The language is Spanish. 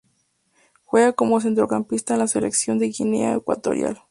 Juega como centrocampista en la selección de Guinea Ecuatorial.